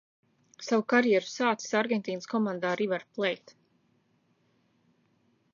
"Savu karjeru sācis Argentīnas komandā "River Plate"."